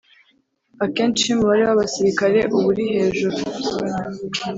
Akenshi iyo umubare w abasirikari uba uri hejuru